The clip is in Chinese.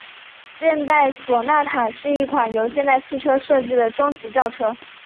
现代索纳塔是一款由现代汽车设计的中级轿车。